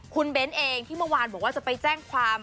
คุณเบ้นเองที่เมื่อวานบอกว่าจะไปแจ้งความ